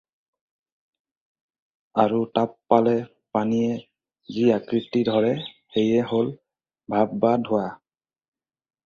আৰু তাপ পালে পানীয়ে যি আকৃতি ধৰে সেয়ে হ'ল ভাপ বা ধোঁৱা।